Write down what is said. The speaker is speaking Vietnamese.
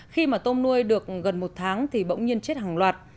khi mà tôm nuôi được gần một tháng thì bỗng nhiên chết hàng loạt